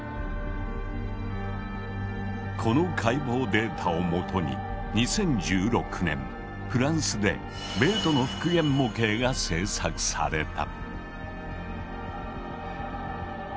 この解剖データをもとに２０１６年フランスでベートの復元模型が制作された。